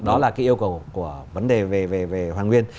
đó là cái yêu cầu của vấn đề về hoàn nguyên